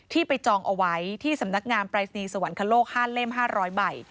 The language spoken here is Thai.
ไปจองเอาไว้ที่สำนักงานปรายศนีย์สวรรคโลก๕เล่ม๕๐๐ใบ